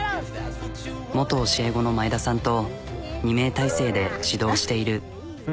元教え子の前田さんと２名体制で指導している。